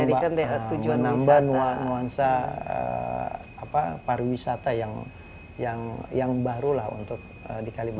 ini kan tujuan nuansa pariwisata yang baru lah untuk di kalimantan